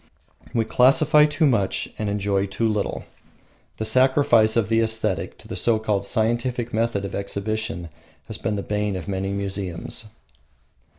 We classify too much and enjoy too little. The sacrifice of the aesthetic to the so called scientific method of exhibition has been the bane of many museums.